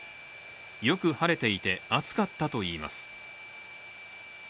よく晴れていて、暑かったといいます。